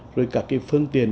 rồi các cái phương tiền